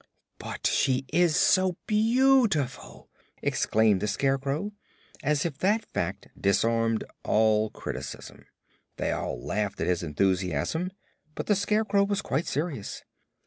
"But she is so beautiful!" exclaimed the Scarecrow, as if that fact disarmed all criticism. They all laughed at his enthusiasm, but the Scarecrow was quite serious.